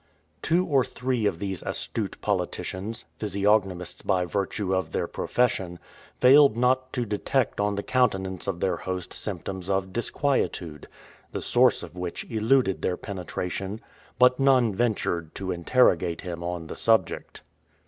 Two or three of these astute politicians physiognomists by virtue of their profession failed not to detect on the countenance of their host symptoms of disquietude, the source of which eluded their penetration; but none ventured to interrogate him on the subject.